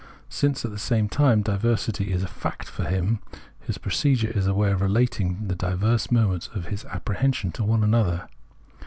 Since, at the same time, diversity is a fact for him, his procedure is a way of relating the diverse moments of his apprehension to one another.